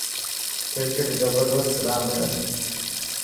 ڪرڪيٽ زبردست راند هي.